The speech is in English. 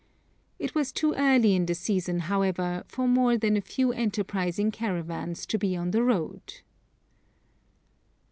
It was too early in the season, however, for more than a few enterprising caravans to be on the road.